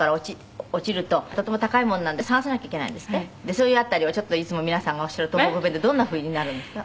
そういう辺りをちょっといつも皆さんがおっしゃる東北弁でどんなふうになるんですか？